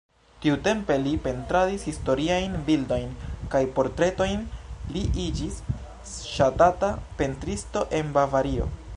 Tiutempe li pentradis historiajn bildojn kaj portretojn, li iĝis ŝatata pentristo en Bavario.